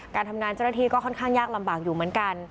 การทำงานเจ้าหน้าที่ก็ค่อนข้างยากลำบากอยู่เหมือนกัน